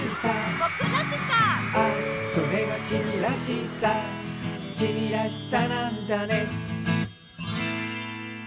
「嗚呼それが君らしさ君らしさなんだね」